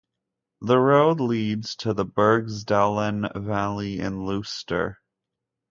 The road leads to the Bergsdalen valley in Luster.